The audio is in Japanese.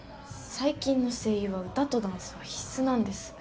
最近の声優は歌とダンスは必須なんです